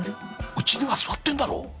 うちでは座ってんだろう